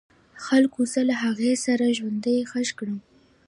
خلکو زه له هغې سره ژوندی خښ کړم.